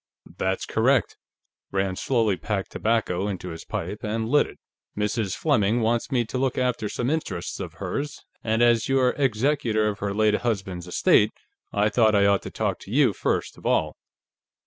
"That's correct." Rand slowly packed tobacco into his pipe and lit it. "Mrs. Fleming wants me to look after some interests of hers, and as you're executor of her late husband's estate, I thought I ought to talk to you, first of all."